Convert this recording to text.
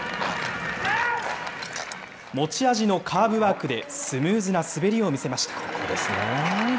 持ち味のカーブワークで、スムーズな滑りを見せました。